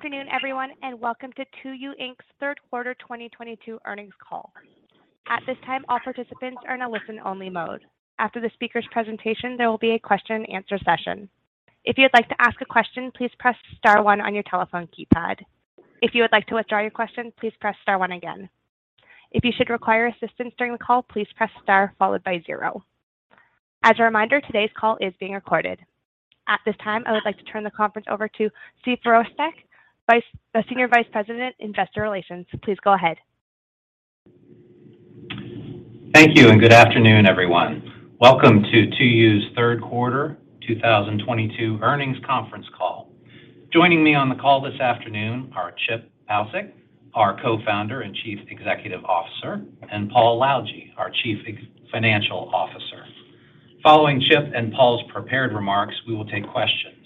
Good afternoon, everyone, and welcome to 2U, Inc.'s Q3 2022 earnings call. At this time, all participants are in a listen-only mode. After the speaker's presentation, there will be a question and answer session. If you'd like to ask a question, please press star one on your telephone keypad. If you would like to withdraw your question, please press star one again. If you should require assistance during the call, please press star followed by zero. As a reminder, today's call is being recorded. At this time, I would like to turn the conference over to Stephen Virostek, Senior Vice President, Investor Relations. Please go ahead. Thank you, and good afternoon, everyone. Welcome to 2U's Q3 2022 earnings conference call. Joining me on the call this afternoon are Chip Paucek, our Co-founder and Chief Executive Officer, and Paul Lalljie, our Chief Financial Officer. Following Chip and Paul's prepared remarks, we will take questions.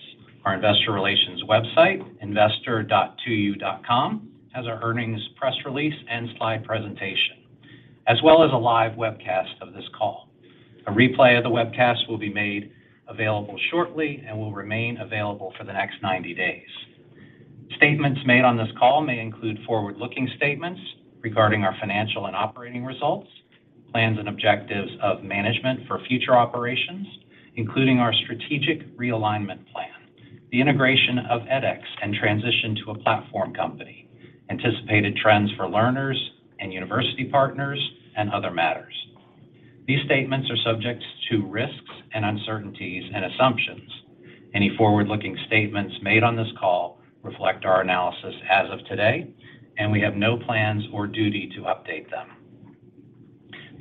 Our investor relations website, investor.2u.com, has our earnings press release and slide presentation, as well as a live webcast of this call. A replay of the webcast will be made available shortly and will remain available for the next 90 days. Statements made on this call may include forward-looking statements regarding our financial and operating results, plans and objectives of management for future operations, including our strategic realignment plan, the integration of edX and transition to a platform company, anticipated trends for learners and university partners, and other matters. These statements are subject to risks and uncertainties and assumptions. Any forward-looking statements made on this call reflect our analysis as of today, and we have no plans or duty to update them.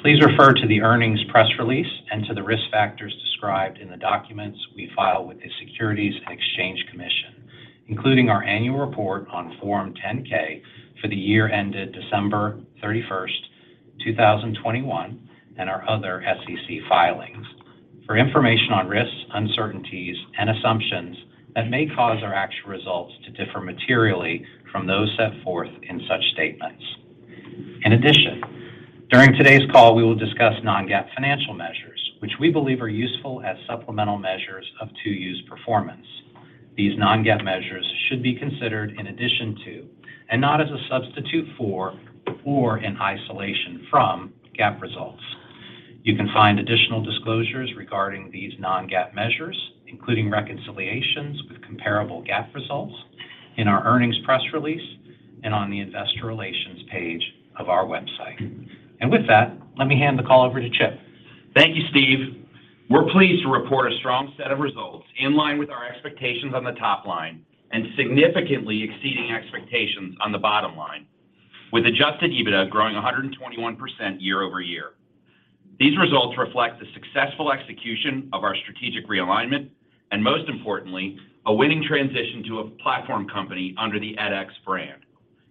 Please refer to the earnings press release and to the risk factors described in the documents we file with the Securities and Exchange Commission, including our annual report on Form 10-K for the year ended December 31st, 2021, and our other SEC filings for information on risks, uncertainties, and assumptions that may cause our actual results to differ materially from those set forth in such statements. In addition, during today's call, we will discuss non-GAAP financial measures, which we believe are useful as supplemental measures of 2U's performance. These non-GAAP measures should be considered in addition to and not as a substitute for or in isolation from GAAP results. You can find additional disclosures regarding these non-GAAP measures, including reconciliations with comparable GAAP results in our earnings press release and on the investor relations page of our website. With that, let me hand the call over to Chip. Thank you, Steve. We're pleased to report a strong set of results in line with our expectations on the top line and significantly exceeding expectations on the bottom line, with Adjusted EBITDA growing 121% year-over-year. These results reflect the successful execution of our strategic realignment, and most importantly, a winning transition to a platform company under the edX brand.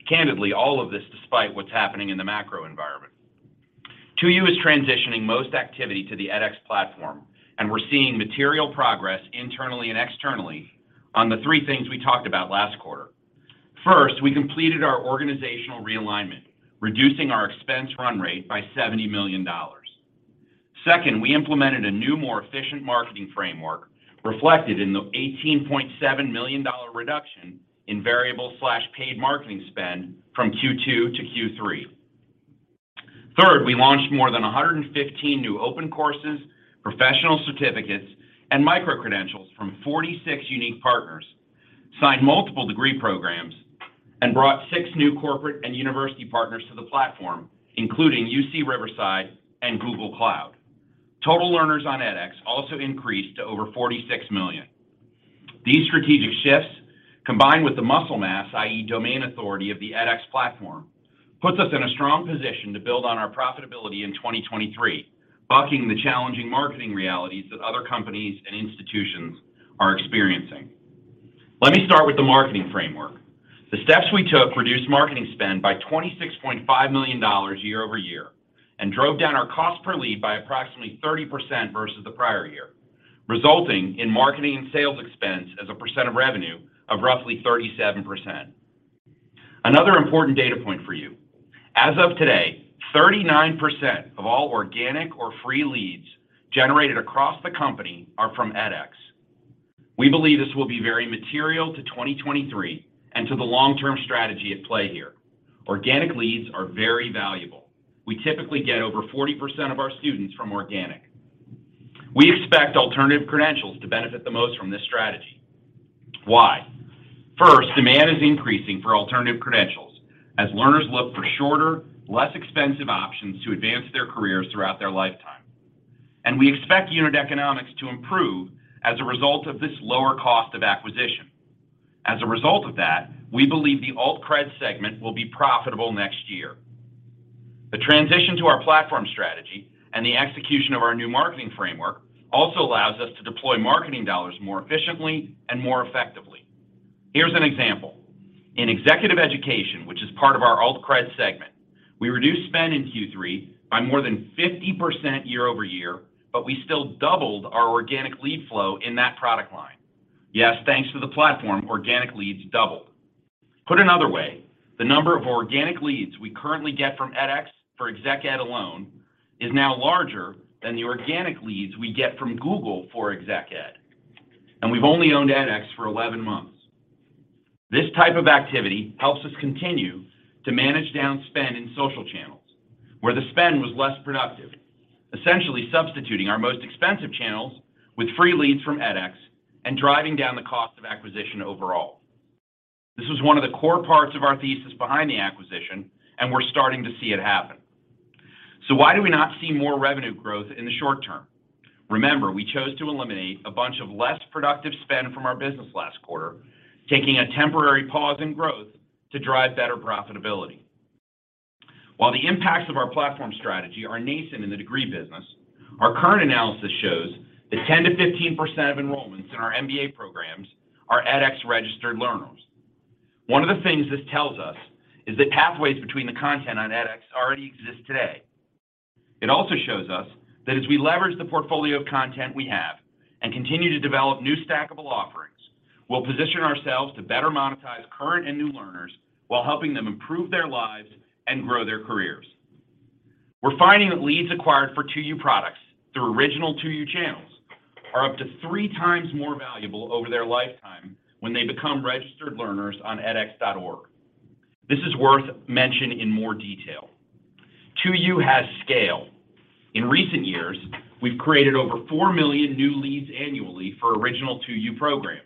Candidly, all of this despite what's happening in the macro environment. 2U is transitioning most activity to the edX platform, and we're seeing material progress internally and externally on the three things we talked about last quarter. First, we completed our organizational realignment, reducing our expense run rate by $70 million. Second, we implemented a new, more efficient marketing framework reflected in the $18.7 million reduction in variable paid marketing spend from Q2 to Q3. Third, we launched more than 115 new open courses, professional certificates, and micro credentials from 46 unique partners, signed multiple degree programs, and brought six new corporate and university partners to the platform, including UC Riverside and Google Cloud. Total learners on edX also increased to over 46 million. These strategic shifts, combined with the muscle mass, i.e., domain authority of the edX platform, puts us in a strong position to build on our profitability in 2023, bucking the challenging marketing realities that other companies and institutions are experiencing. Let me start with the marketing framework. The steps we took reduced marketing spend by $26.5 million year-over-year and drove down our cost per lead by approximately 30% versus the prior year, resulting in marketing and sales expense as a percent of revenue of roughly 37%. Another important data point for you. As of today, 39% of all organic or free leads generated across the company are from edX. We believe this will be very material to 2023 and to the long-term strategy at play here. Organic leads are very valuable. We typically get over 40% of our students from organic. We expect alternative credentials to benefit the most from this strategy. Why? First, demand is increasing for alternative credentials as learners look for shorter, less expensive options to advance their careers throughout their lifetime. We expect unit economics to improve as a result of this lower cost of acquisition. As a result of that, we believe the alt-cred segment will be profitable next year. The transition to our platform strategy and the execution of our new marketing framework also allows us to deploy marketing dollars more efficiently and more effectively. Here's an example. In executive education, which is part of our alt-cred segment, we reduced spend in Q3 by more than 50% year-over-year, but we still doubled our organic lead flow in that product line. Yes, thanks to the platform, organic leads doubled. Put another way, the number of organic leads we currently get from edX for Exec Ed alone is now larger than the organic leads we get from Google for Exec Ed, and we've only owned edX for 11 months. This type of activity helps us continue to manage down spend in social channels where the spend was less productive, essentially substituting our most expensive channels with free leads from edX and driving down the cost of acquisition overall. This was one of the core parts of our thesis behind the acquisition, and we're starting to see it happen. Why do we not see more revenue growth in the short term? Remember, we chose to eliminate a bunch of less productive spend from our business last quarter, taking a temporary pause in growth to drive better profitability. While the impacts of our platform strategy are nascent in the degree business, our current analysis shows that 10%-15% of enrollments in our MBA programs are edX-registered learners. One of the things this tells us is that pathways between the content on edX already exist today. It also shows us that as we leverage the portfolio of content we have and continue to develop new stackable offerings, we'll position ourselves to better monetize current and new learners while helping them improve their lives and grow their careers. We're finding that leads acquired for 2U products through original 2U channels are up to 3x more valuable over their lifetime when they become registered learners on edx.org. This is worth mentioning in more detail. 2U has scale. In recent years, we've created over four million new leads annually for original 2U programs.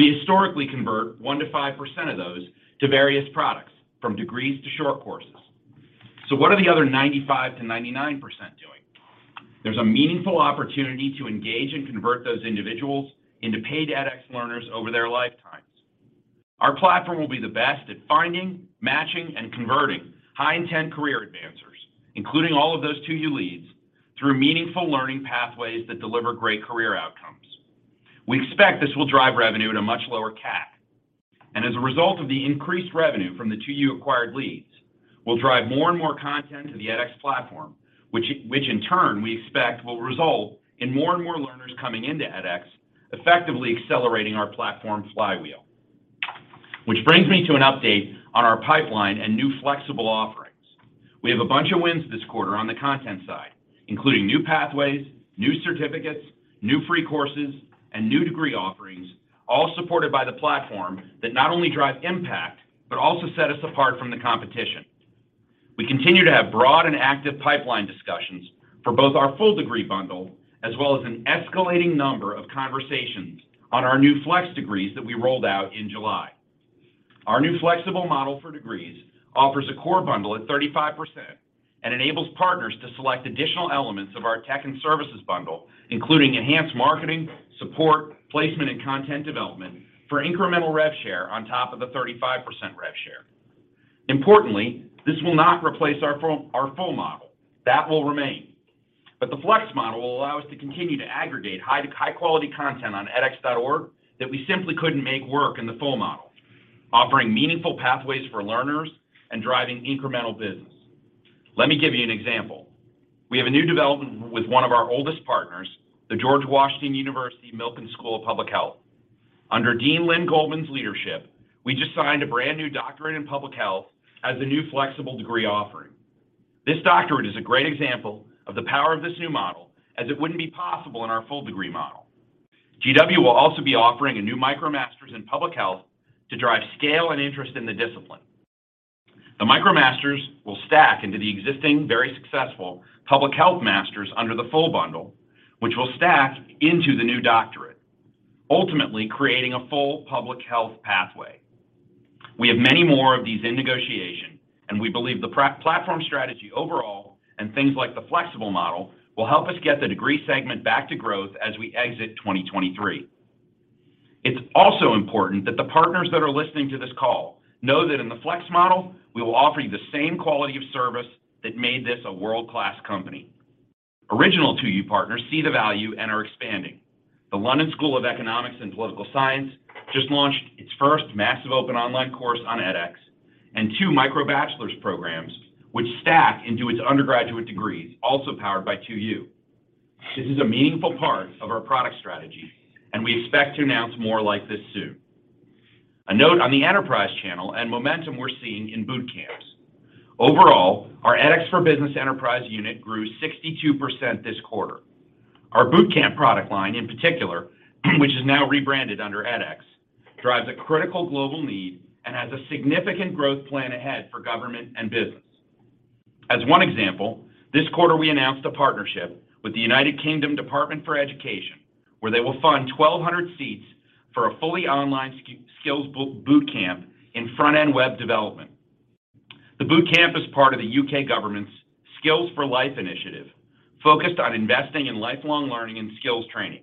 We historically convert 1%-5% of those to various products, from degrees to short courses. What are the other 95%-99% doing? There's a meaningful opportunity to engage and convert those individuals into paid edX learners over their lifetimes. Our platform will be the best at finding, matching, and converting high-intent career advancers, including all of those 2U leads, through meaningful learning pathways that deliver great career outcomes. We expect this will drive revenue at a much lower CAC. As a result of the increased revenue from the 2U-acquired leads, we'll drive more and more content to the edX platform, which in turn we expect will result in more and more learners coming into edX, effectively accelerating our platform flywheel. Which brings me to an update on our pipeline and new flexible offerings. We have a bunch of wins this quarter on the content side, including new pathways, new certificates, new free courses, and new degree offerings, all supported by the platform that not only drive impact but also set us apart from the competition. We continue to have broad and active pipeline discussions for both our full degree bundle as well as an escalating number of conversations on our new flex degrees that we rolled out in July. Our new flexible model for degrees offers a core bundle at 35% and enables partners to select additional elements of our tech and services bundle, including enhanced marketing, support, placement, and content development for incremental rev share on top of the 35% rev share. Importantly, this will not replace our full model. That will remain. The flex model will allow us to continue to aggregate high-quality content on edx.org that we simply couldn't make work in the full model, offering meaningful pathways for learners and driving incremental business. Let me give you an example. We have a new development with one of our oldest partners, the George Washington University Milken Institute School of Public Health. Under Dean Lynn Goldman's leadership, we just signed a brand new doctorate in public health as a new flexible degree offering. This doctorate is a great example of the power of this new model, as it wouldn't be possible in our full degree model. GW will also be offering a new MicroMasters in public health to drive scale and interest in the discipline. The MicroMasters will stack into the existing, very successful, public health masters under the full bundle, which will stack into the new doctorate, ultimately creating a full public health pathway. We have many more of these in negotiation, and we believe the platform strategy overall and things like the flexible model will help us get the degree segment back to growth as we exit 2023. It's also important that the partners that are listening to this call know that in the flex model, we will offer you the same quality of service that made this a world-class company. Original 2U partners see the value and are expanding. The London School of Economics and Political Science just launched its first massive open online course on edX and two MicroBachelors programs, which stack into its undergraduate degrees, also powered by 2U. This is a meaningful part of our product strategy, and we expect to announce more like this soon. A note on the enterprise channel and momentum we're seeing in boot camps. Overall, our edX for Business enterprise unit grew 62% this quarter. Our boot camp product line in particular, which is now rebranded under edX, drives a critical global need and has a significant growth plan ahead for government and business. As one example, this quarter we announced a partnership with the United Kingdom Department for Education, where they will fund 1,200 seats for a fully online skills boot camp in front-end web development. The boot camp is part of the UK government's Skills for Life initiative, focused on investing in lifelong learning and skills training.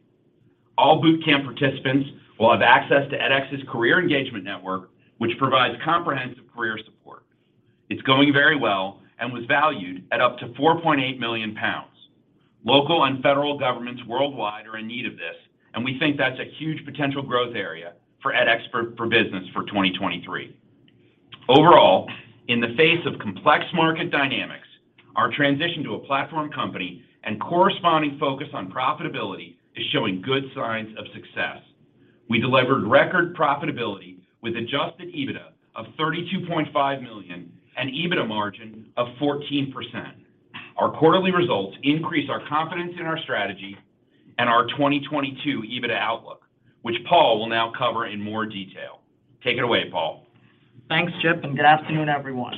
All boot camp participants will have access to edX's Career Engagement Network, which provides comprehensive career support. It's going very well and was valued at up to 4.8 million pounds. Local and federal governments worldwide are in need of this, and we think that's a huge potential growth area for edX for Business for 2023. Overall, in the face of complex market dynamics, our transition to a platform company and corresponding focus on profitability is showing good signs of success. We delivered record profitability with Adjusted EBITDA of $32.5 million and EBITDA margin of 14%. Our quarterly results increase our confidence in our strategy and our 2022 EBITDA outlook, which Paul will now cover in more detail. Take it away, Paul. Thanks, Chip, and good afternoon, everyone.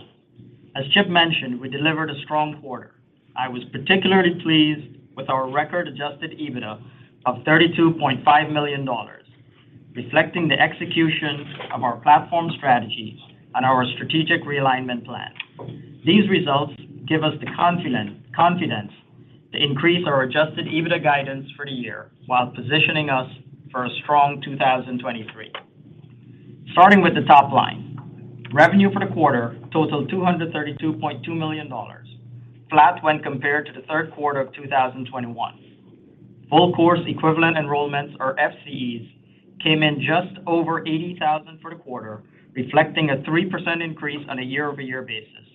As Chip mentioned, we delivered a strong quarter. I was particularly pleased with our record Adjusted EBITDA of $32.5 million, reflecting the execution of our platform strategy and our strategic realignment plan. These results give us the confidence to increase our Adjusted EBITDA guidance for the year while positioning us for a strong 2023. Starting with the top line, revenue for the quarter totaled $232.2 million, flat when compared to the Q3 of 2021. Full course equivalent enrollments, or FCEs, came in just over 80,000 for the quarter, reflecting a 3% increase on a year-over-year basis,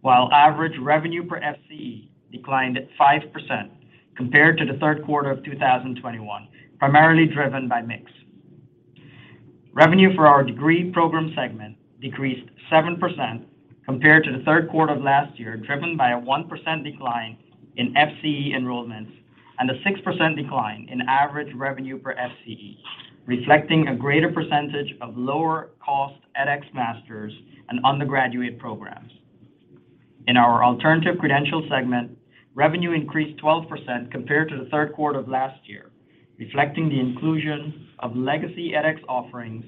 while average revenue per FCE declined at 5% compared to the Q3 of 2021, primarily driven by mix. Revenue for our degree program segment decreased 7% compared to the Q3 of last year, driven by a 1% decline in FCE enrollments and a 6% decline in average revenue per FCE, reflecting a greater percentage of lower cost edX masters and undergraduate programs. In our alternative credential segment, revenue increased 12% compared to the Q3 of last year, reflecting the inclusion of legacy edX offerings,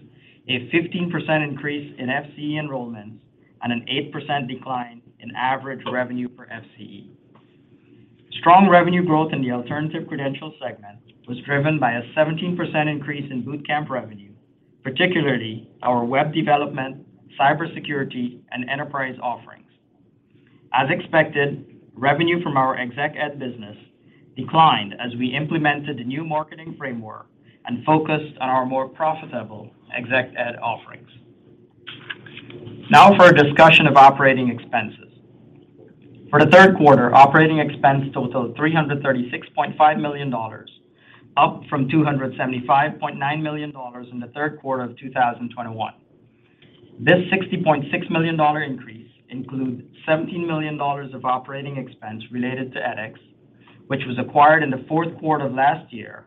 a 15% increase in FCE enrollments, and an 8% decline in average revenue per FCE. Strong revenue growth in the alternative credential segment was driven by a 17% increase in bootcamp revenue, particularly our web development, cybersecurity, and enterprise offerings. As expected, revenue from our Exec Ed business declined as we implemented the new marketing framework and focused on our more profitable Exec Ed offerings. Now for a discussion of operating expenses. For the Q3, operating expense totaled $336.5 million, up from $275.9 million in the Q3 of 2021. This $60.6 million increase includes $17 million of operating expense related to edX, which was acquired in the fourth quarter of last year,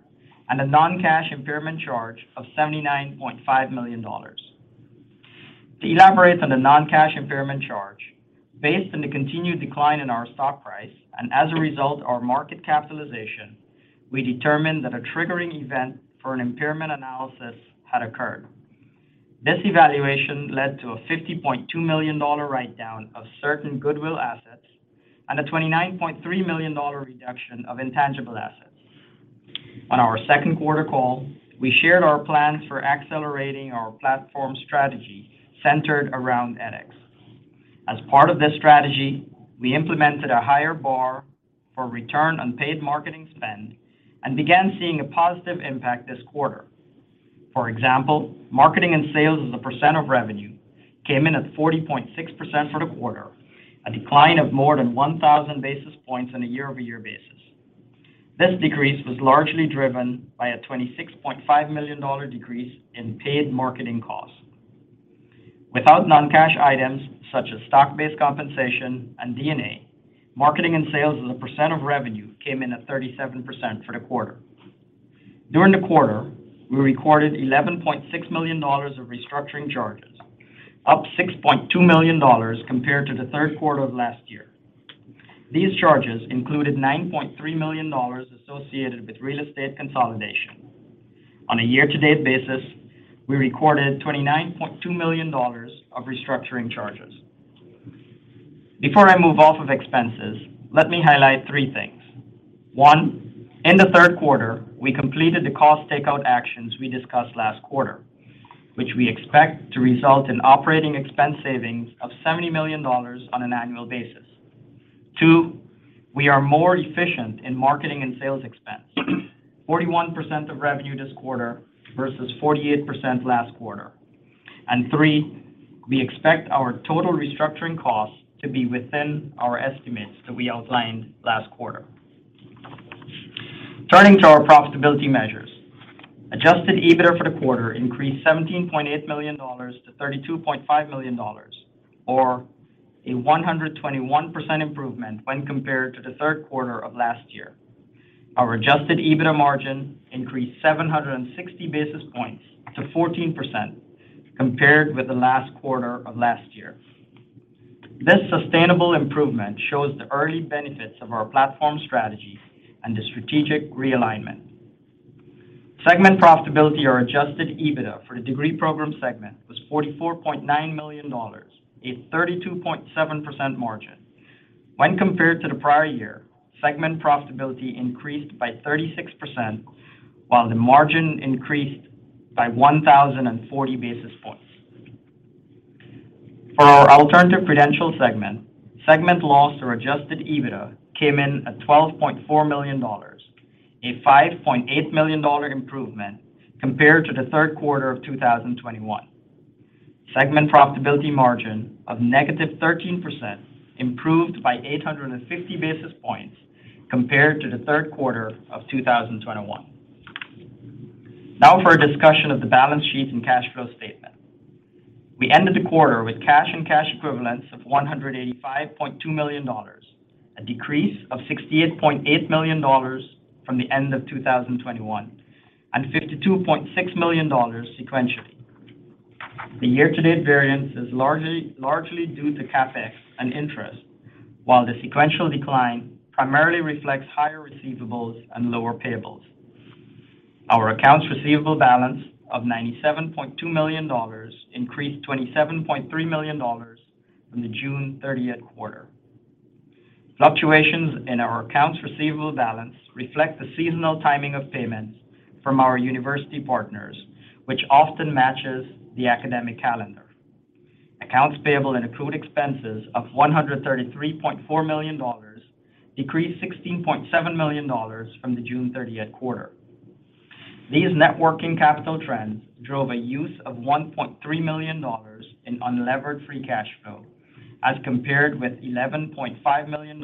and a non-cash impairment charge of $79.5 million. To elaborate on the non-cash impairment charge, based on the continued decline in our stock price, and as a result, our market capitalization, we determined that a triggering event for an impairment analysis had occurred. This evaluation led to a $50.2 million write-down of certain goodwill assets and a $29.3 million reduction of intangible assets. On our Q2 call, we shared our plans for accelerating our platform strategy centered around edX As part of this strategy, we implemented a higher bar for return on paid marketing spend and began seeing a positive impact this quarter. For example, marketing and sales as a percent of revenue came in at 40.6% for the quarter, a decline of more than 1,000 basis points on a year-over-year basis. This decrease was largely driven by a $26.5 million decrease in paid marketing costs. Without non-cash items, such as stock-based compensation and D&A, marketing and sales as a percent of revenue came in at 37% for the quarter. During the quarter, we recorded $11.6 million of restructuring charges, up $6.2 million compared to the Q3 of last year. These charges included $9.3 million associated with real estate consolidation. On a year-to-date basis, we recorded $29.2 million of restructuring charges. Before I move off of expenses, let me highlight three things. One, in the Q3, we completed the cost takeout actions we discussed last quarter, which we expect to result in operating expense savings of $70 million on an annual basis. Two, we are more efficient in marketing and sales expense. 41% of revenue this quarter versus 48% last quarter. Three, we expect our total restructuring costs to be within our estimates that we outlined last quarter. Turning to our profitability measures. Adjusted EBITDA for the quarter increased $17.8 million to $32.5 million or a 121% improvement when compared to the Q3 of last year. Our Adjusted EBITDA margin increased 760 basis points to 14% compared with the last quarter of last year. This sustainable improvement shows the early benefits of our platform strategy and the strategic realignment. Segment profitability or Adjusted EBITDA for the degree program segment was $44.9 million, a 32.7% margin. When compared to the prior year, segment profitability increased by 36% while the margin increased by 1,040 basis points. For our alternative credential segment loss or Adjusted EBITDA came in at $12.4 million, a $5.8 million dollar improvement compared to the Q3 of 2021. Segment profitability margin of -13% improved by 850 basis points compared to the Q3 of 2021. Now for a discussion of the balance sheet and cash flow statement. We ended the quarter with cash and cash equivalents of $185.2 million, a decrease of $68.8 million from the end of 2021, and $52.6 million sequentially. The year-to-date variance is largely due to CapEx and interest, while the sequential decline primarily reflects higher receivables and lower payables. Our accounts receivable balance of $97.2 million increased $27.3 million from the June 30th quarter. Fluctuations in our accounts receivable balance reflect the seasonal timing of payments from our university partners, which often matches the academic calendar. Accounts payable and accrued expenses of $133.4 million decreased $16.7 million from the June 30th quarter. These networking capital trends drove a use of $1.3 million in unlevered free cash flow as compared with $11.5 million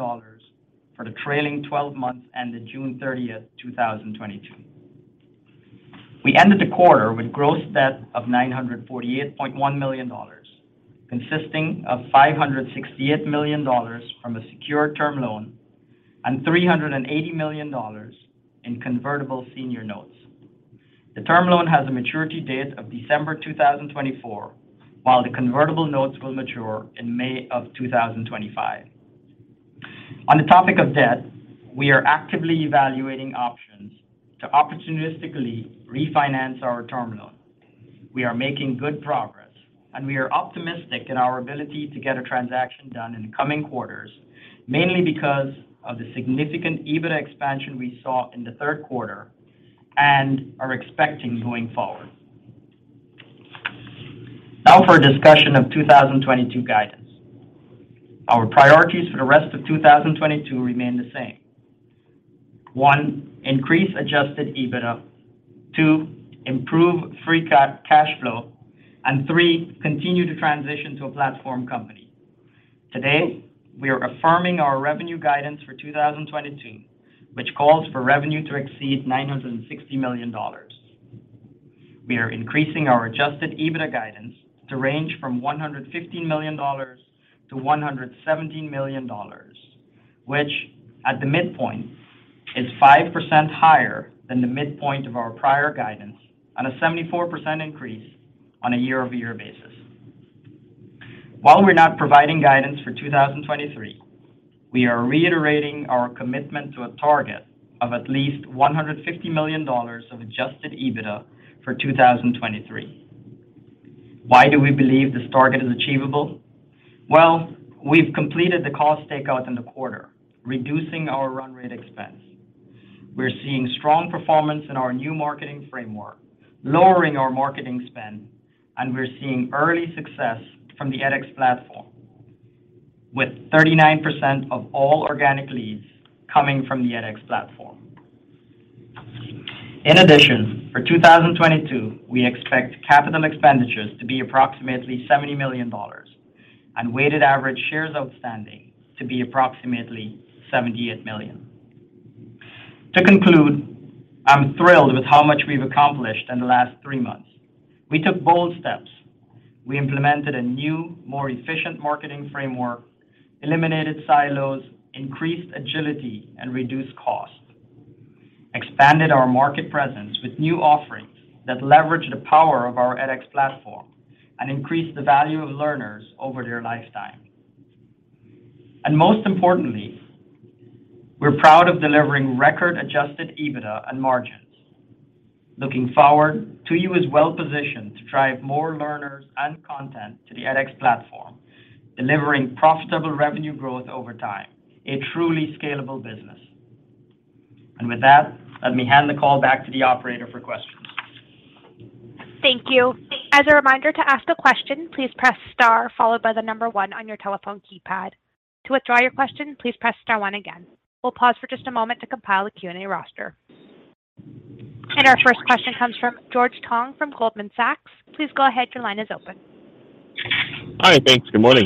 for the trailing 12months and the June 30th, 2022. We ended the quarter with gross debt of $948.1 million, consisting of $568 million from a secured term loan and $380 million in convertible senior notes. The term loan has a maturity date of December 2024, while the convertible notes will mature in May 2025. On the topic of debt, we are actively evaluating options to opportunistically refinance our term loan. We are making good progress, and we are optimistic in our ability to get a transaction done in the coming quarters, mainly because of the significant EBITDA expansion we saw in the Q3 and are expecting going forward. Now for a discussion of 2022 guidance. Our priorities for the rest of 2022 remain the same. One, increase Adjusted EBITDA. Two, improve free cash flow. Three, continue to transition to a platform company. Today, we are affirming our revenue guidance for 2022, which calls for revenue to exceed $960 million. We are increasing our Adjusted EBITDA guidance to range from $115 million-$117 million, which, at the midpoint, is 5% higher than the midpoint of our prior guidance on a 74% increase on a year-over-year basis. While we're not providing guidance for 2023, we are reiterating our commitment to a target of at least $150 million of Adjusted EBITDA for 2023. Why do we believe this target is achievable? Well, we've completed the cost takeouts in the quarter, reducing our run rate expense. We're seeing strong performance in our new marketing framework, lowering our marketing spend, and we're seeing early success from the edX platform, with 39% of all organic leads coming from the edX platform. In addition, for 2022, we expect capital expenditures to be approximately $70 million and weighted average shares outstanding to be approximately 78 million. To conclude, I'm thrilled with how much we've accomplished in the last three months. We took bold steps. We implemented a new, more efficient marketing framework, eliminated silos, increased agility, and reduced costs, expanded our market presence with new offerings that leverage the power of our edX platform and increase the value of learners over their lifetime. Most importantly, we're proud of delivering record Adjusted EBITDA and margins. Looking forward, 2U is well-positioned to drive more learners and content to the edX platform, delivering profitable revenue growth over time, a truly scalable business. With that, let me hand the call back to the operator for questions. Thank you. As a reminder to ask a question, please press star followed by the number one on your telephone keypad. To withdraw your question, please press star one again. We'll pause for just a moment to compile a Q&A roster. Our first question comes from George Tong from Goldman Sachs. Please go ahead, your line is open. Hi. Thanks. Good morning.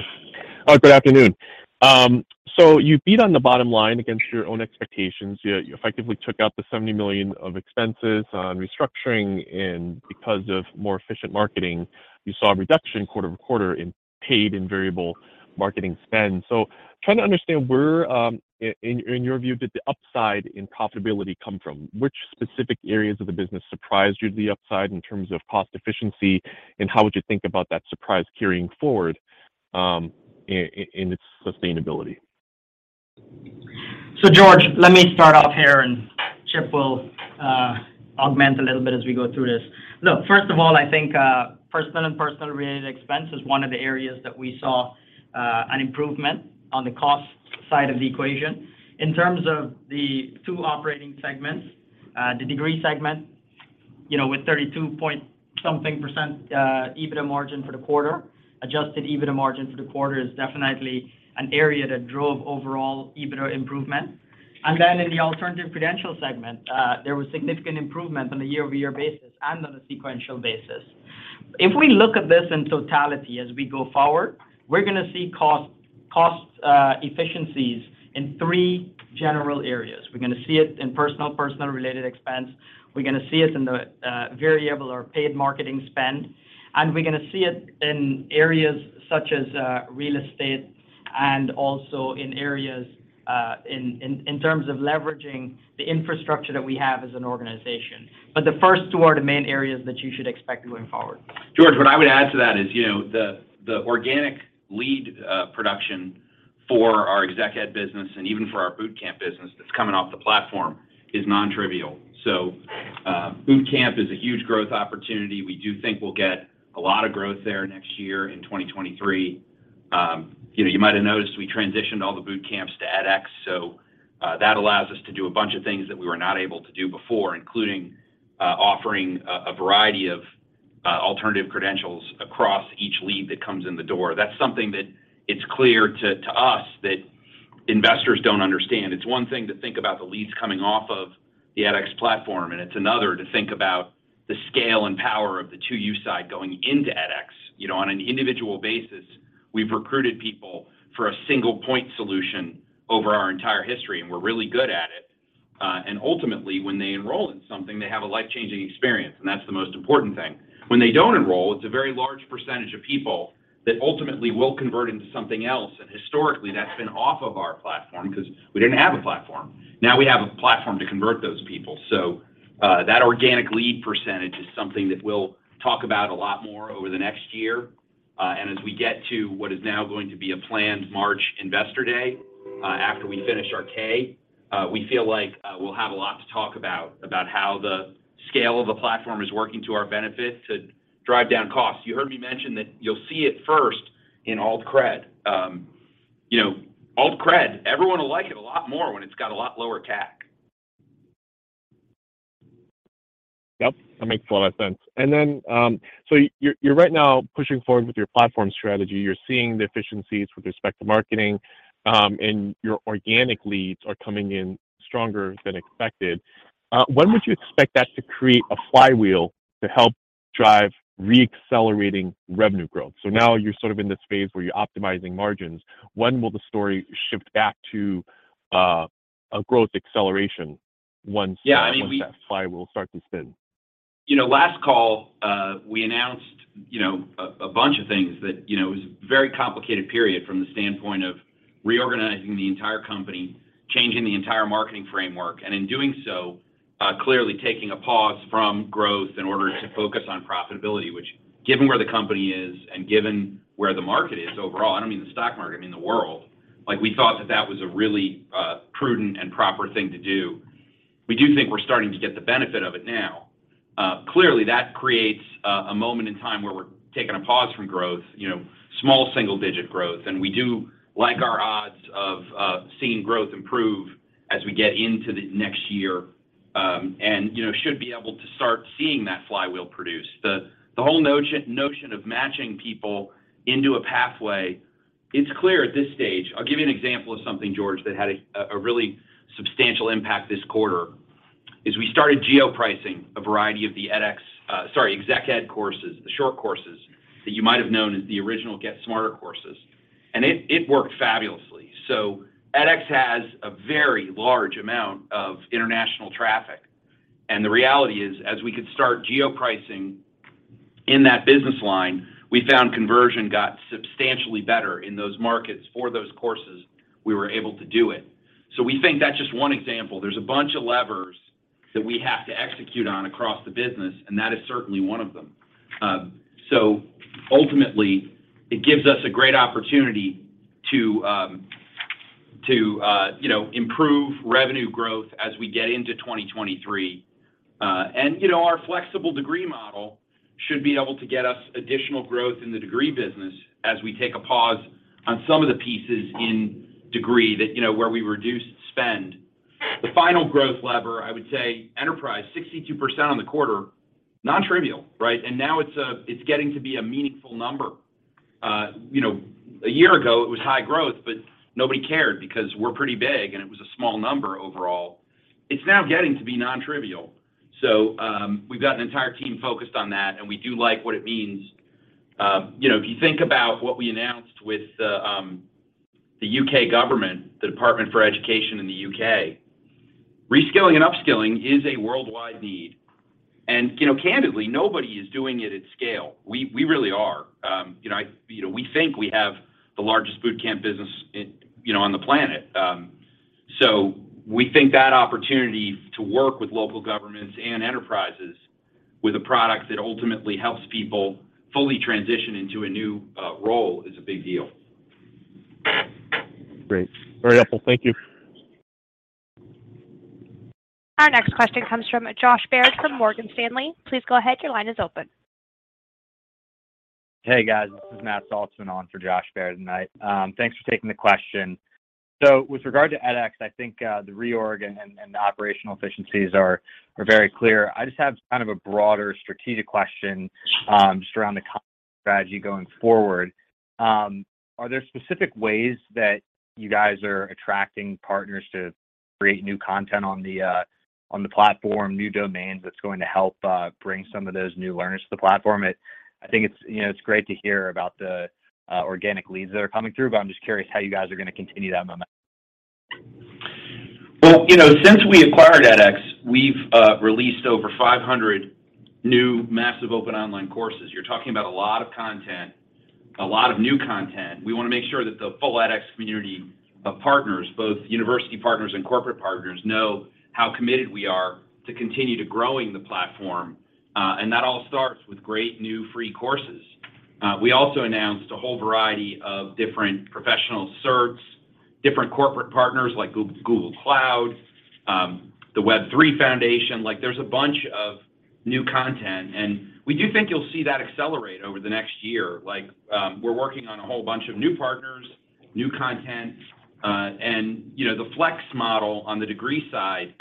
Good afternoon. You beat on the bottom line against your own expectations. You effectively took out the $70 million of expenses on restructuring. Because of more efficient marketing, you saw a reduction quarter-over-quarter in paid and variable marketing spend. Trying to understand where, in your view, did the upside in profitability come from? Which specific areas of the business surprised you with the upside in terms of cost efficiency, and how would you think about that surprise carrying forward, in its sustainability? George, let me start off here, and Chip will augment a little bit as we go through this. Look, first of all, I think, personnel and personnel-related expense is one of the areas that we saw, an improvement on the cost side of the equation. In terms of the two operating segments, the degree segment, you know, with 32-something% EBITDA margin for the quarter, Adjusted EBITDA margin for the quarter is definitely an area that drove overall EBITDA improvement. In the alternative credential segment, there was significant improvement on the year-over-year basis and on a sequential basis. If we look at this in totality as we go forward, we're gonna see cost efficiencies in three general areas. We're gonna see it in personnel-related expense. We're gonna see it in the variable or paid marketing spend, and we're gonna see it in areas such as real estate and also in areas in terms of leveraging the infrastructure that we have as an organization. The first two are the main areas that you should expect going forward. George, what I would add to that is, you know, the organic lead production for our Exec Ed business and even for our bootcamp business that's coming off the platform is non-trivial. Bootcamp is a huge growth opportunity. We do think we'll get a lot of growth there next year in 2023. You know, you might have noticed we transitioned all the bootcamps to edX, so that allows us to do a bunch of things that we were not able to do before, including offering a variety of alternative credentials across each lead that comes in the door. That's something that it's clear to us that investors don't understand. It's one thing to think about the leads coming off of the edX platform, and it's another to think about the scale and power of the 2U side going into edX. You know, on an individual basis, we've recruited people for a single-point solution over our entire history, and we're really good at it. Ultimately, when they enroll in something, they have a life-changing experience, and that's the most important thing. When they don't enroll, it's a very large percentage of people that ultimately will convert into something else, and historically that's been off of our platform 'cause we didn't have a platform. Now we have a platform to convert those people. That organic lead percentage is something that we'll talk about a lot more over the next year. As we get to what is now going to be a planned March investor day, after we finish our 10-K, we feel like we'll have a lot to talk about how the scale of the platform is working to our benefit to drive down costs. You heard me mention that you'll see it first in alt cred. You know, alt cred, everyone will like it a lot more when it's got a lot lower CAC. Yep, that makes a lot of sense. You're right now pushing forward with your platform strategy. You're seeing the efficiencies with respect to marketing, and your organic leads are coming in stronger than expected. When would you expect that to create a flywheel to help drive re-accelerating revenue growth? Now you're sort of in this phase where you're optimizing margins. When will the story shift back to a growth acceleration once- Yeah, I mean. Once that flywheel starts to spin? You know, last call, we announced, you know, a bunch of things that, you know, it was a very complicated period from the standpoint of reorganizing the entire company, changing the entire marketing framework, and in doing so, clearly taking a pause from growth in order to focus on profitability, which given where the company is and given where the market is overall, I don't mean the stock market, I mean the world, like, we thought that was a really, prudent and proper thing to do. We do think we're starting to get the benefit of it now. Clearly that creates a moment in time where we're taking a pause from growth, you know, small single-digit growth, and we do like our odds of seeing growth improve as we get into the next year, and you know, should be able to start seeing that flywheel produce. The whole notion of matching people into a pathway, it's clear at this stage. I'll give you an example of something, George, that had a really substantial impact this quarter, is we started geo-pricing a variety of the edX, sorry, Exec Ed courses, the short courses that you might have known as the original GetSmarter courses. It worked fabulously. EdX has a very large amount of international traffic, and the reality is, as we could start geo-pricing in that business line, we found conversion got substantially better in those markets for those courses, we were able to do it. We think that's just one example. There's a bunch of levers that we have to execute on across the business, and that is certainly one of them. Ultimately it gives us a great opportunity to you know, improve revenue growth as we get into 2023. You know, our flexible degree model should be able to get us additional growth in the degree business as we take a pause on some of the pieces in degree that, you know, where we reduced spend. The final growth lever, I would say enterprise, 62% on the quarter, non-trivial, right? Now it's getting to be a meaningful number. You know, a year ago it was high growth, but nobody cared because we're pretty big and it was a small number overall. It's now getting to be non-trivial. We've got an entire team focused on that, and we do like what it means. You know, if you think about what we announced with the UK government, the Department for Education in the UK, reskilling and upskilling is a worldwide need. You know, candidly, nobody is doing it at scale. We really are. You know, we think we have the largest bootcamp business in, you know, on the planet. We think that opportunity to work with local governments and enterprises with a product that ultimately helps people fully transition into a new role is a big deal. Great. Very helpful. Thank you. Our next question comes from Josh Baer from Morgan Stanley. Please go ahead, your line is open. Hey guys, this is Matt Saltzman on for Josh Baer tonight. Thanks for taking the question. With regard to edX, I think the reorg and the operational efficiencies are very clear. I just have kind of a broader strategic question just around the strategy going forward. Are there specific ways that you guys are attracting partners to create new content on the platform, new domains that's going to help bring some of those new learners to the platform? I think it's, you know, it's great to hear about the organic leads that are coming through, but I'm just curious how you guys are gonna continue that momentum. Well, you know, since we acquired edX, we've released over 500 new massive open online courses. You're talking about a lot of content, a lot of new content. We wanna make sure that the full edX community of partners, both university partners and corporate partners, know how committed we are to continue to growing the platform, and that all starts with great new free courses. We also announced a whole variety of different professional certs, different corporate partners like Google Cloud, the Web3 Foundation. Like, there's a bunch of new content, and we do think you'll see that accelerate over the next year. Like, we're working on a whole bunch of new partners, new content, and, you know, the flex model on the degree side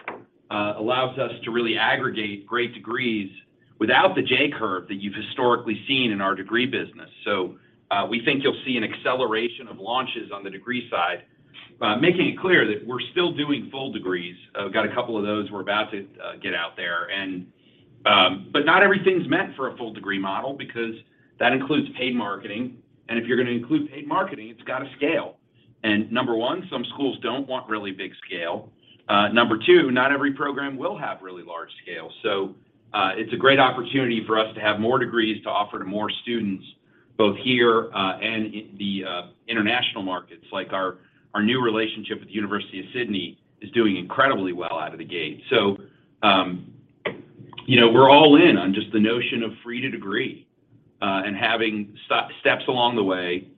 allows us to really aggregate great degrees without the J-curve that you've historically seen in our degree business. We think you'll see an acceleration of launches on the degree side, making it clear that we're still doing full degrees. We've got a couple of those we're about to get out there. Not everything's meant for a full degree model because that includes paid marketing, and if you're gonna include paid marketing, it's gotta scale. Number one, some schools don't want really big scale. Number two, not every program will have really large scale. It's a great opportunity for us to have more degrees to offer to more students, both here and in the international markets. Like our new relationship with the University of Sydney is doing incredibly well out of the gate. You know, we're all in on just the notion of free to degree and having steps along the way.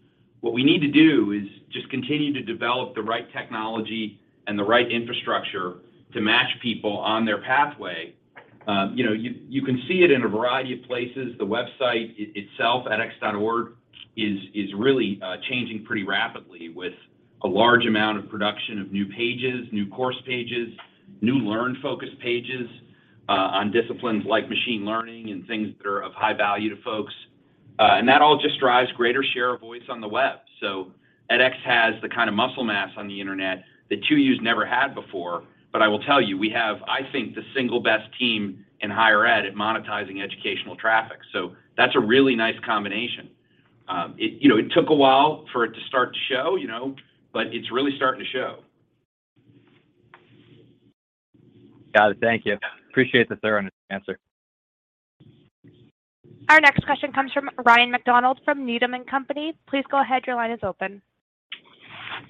What we need to do is just continue to develop the right technology and the right infrastructure to match people on their pathway. You know, you can see it in a variety of places. The website itself, edX.org, is really changing pretty rapidly with a large amount of production of new pages, new course pages, new learn focus pages on disciplines like machine learning and things that are of high value to folks. That all just drives greater share of voice on the web. edX has the kinda muscle mass on the internet that 2U's never had before, but I will tell you, we have, I think, the single best team in higher ed at monetizing educational traffic, so that's a really nice combination. It, you know, took a while for it to start to show, you know, it's really starting to show. Got it. Thank you. Appreciate the thorough answer. Our next question comes from Ryan MacDonald from Needham & Company. Please go ahead, your line is open.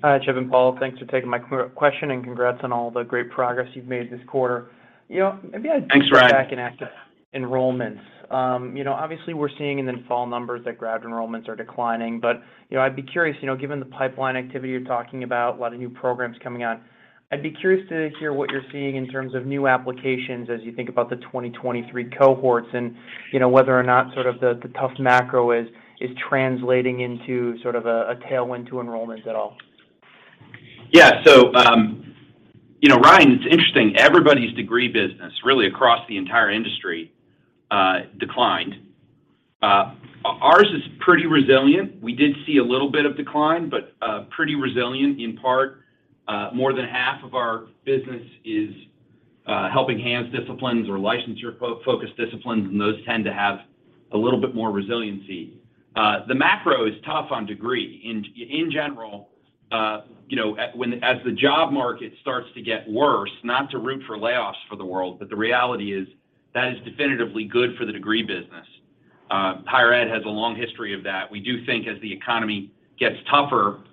Hi, Chip and Paul. Thanks for taking my question, and congrats on all the great progress you've made this quarter. You know, maybe I'd like. Thanks, Ryan. To go back and ask enrollments. You know, obviously we're seeing in the fall numbers that grad enrollments are declining, but you know, I'd be curious, you know, given the pipeline activity you're talking about, a lot of new programs coming out, I'd be curious to hear what you're seeing in terms of new applications as you think about the 2023 cohorts and, you know, whether or not sort of the tough macro is translating into sort of a tailwind to enrollment at all. Yeah. You know, Ryan, it's interesting. Everybody's degree business really across the entire industry declined. Ours is pretty resilient. We did see a little bit of decline, but pretty resilient in part. More than half of our business is helping hands disciplines or licensure-focused disciplines, and those tend to have a little bit more resiliency. The macro is tough on degree in general. You know, as the job market starts to get worse, not to root for layoffs for the world, but the reality is that is definitively good for the degree business. Higher ed has a long history of that. We do think as the economy gets tougher,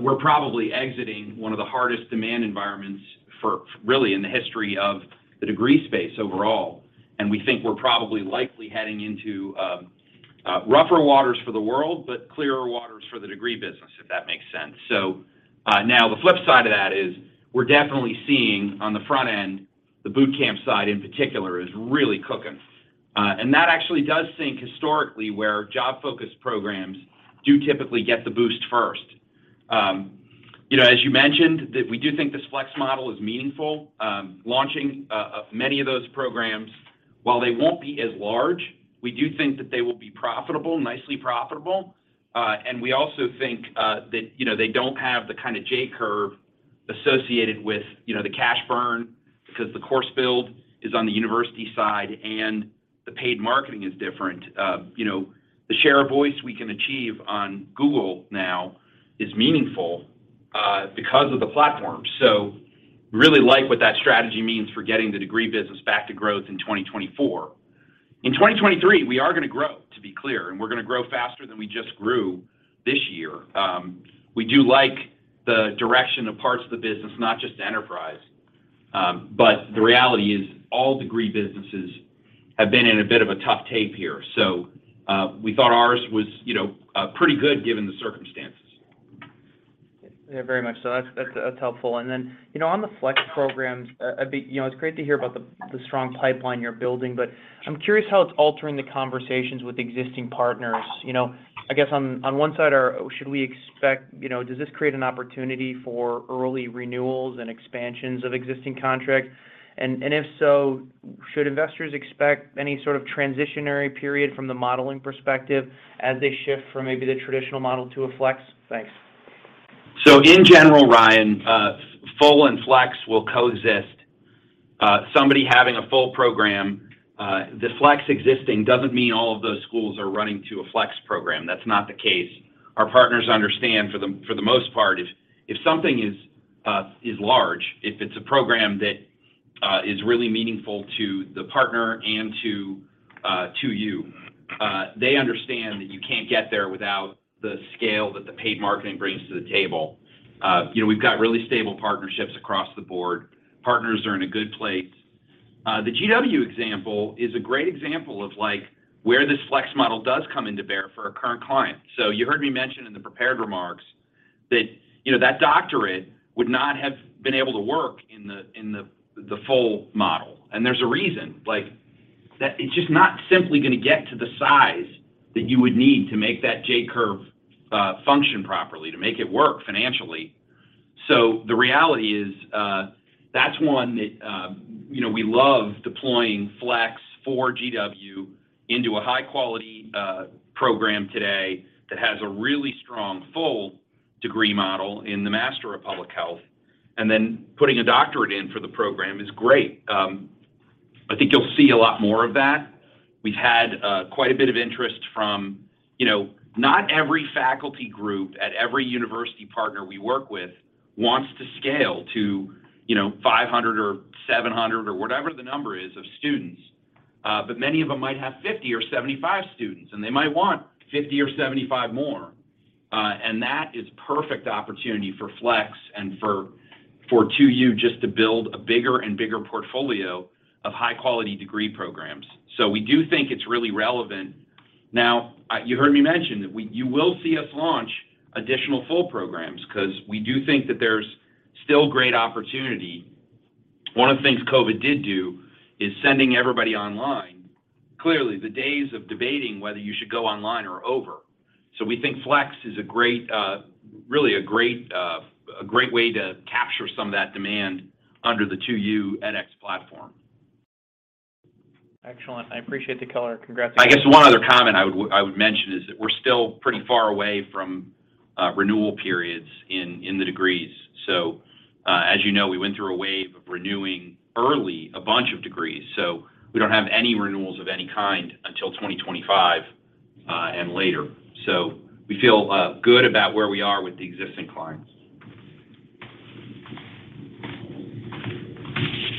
we're probably exiting one of the hardest demand environments for really in the history of the degree space overall. We think we're probably likely heading into rougher waters for the world, but clearer waters for the degree business, if that makes sense. Now the flip side of that is we're definitely seeing on the front end, the boot camp side in particular is really cooking. And that actually does sync historically where job-focused programs do typically get the boost first. You know, as you mentioned, we do think this flex model is meaningful, launching many of those programs, while they won't be as large, we do think that they will be profitable, nicely profitable. And we also think that, you know, they don't have the kinda J-curve associated with, you know, the cash burn because the course build is on the university side, and the paid marketing is different. You know, the share of voice we can achieve on Google now is meaningful, because of the platform. Really like what that strategy means for getting the degree business back to growth in 2024. In 2023, we are gonna grow, to be clear, and we're gonna grow faster than we just grew this year. We do like the direction of parts of the business, not just enterprise. The reality is all degree businesses have been in a bit of a tough tape here. We thought ours was, you know, pretty good given the circumstances. Yeah. Very much so. That's helpful. Then, you know, on the flex programs, You know, it's great to hear about the strong pipeline you're building, but I'm curious how it's altering the conversations with existing partners. You know, I guess, should we expect. You know, does this create an opportunity for early renewals and expansions of existing contracts? If so, should investors expect any sort of transitional period from the modeling perspective as they shift from maybe the traditional model to a flex? Thanks. In general, Ryan, full and flex will coexist. Somebody having a full program, the flex existing doesn't mean all of those schools are running to a flex program. That's not the case. Our partners understand for the most part, if something is large, if it's a program that is really meaningful to the partner and to 2U, they understand that you can't get there without the scale that the paid marketing brings to the table. You know, we've got really stable partnerships across the board. Partners are in a good place. The GW example is a great example of, like, where this flex model does come to bear for a current client. You heard me mention in the prepared remarks that that doctorate would not have been able to work in the full model, and there's a reason. Like, that it's just not simply gonna get to the size that you would need to make that J-curve function properly, to make it work financially. The reality is, that's one that we love deploying flex for GW into a high-quality program today that has a really strong full degree model in the Master of Public Health, and then putting a doctorate in for the program is great. I think you'll see a lot more of that. We've had quite a bit of interest from. You know, not every faculty group at every university partner we work with wants to scale to, you know, 500 or 700 or whatever the number is of students. But many of them might have 50 or 75 students, and they might want 50 or 75 more. And that is perfect opportunity for flex and for 2U just to build a bigger and bigger portfolio of high-quality degree programs. We do think it's really relevant. Now, you heard me mention that you will see us launch additional full programs because we do think that there's still great opportunity. One of the things COVID did do is sending everybody online. Clearly, the days of debating whether you should go online are over. We think flex is a great way to capture some of that demand under the 2U/edX platform. Excellent. I appreciate the color. Congratulations. I guess one other comment I would mention is that we're still pretty far away from renewal periods in the degrees. As you know, we went through a wave of renewing early a bunch of degrees, so we don't have any renewals of any kind until 2025 and later. We feel good about where we are with the existing clients.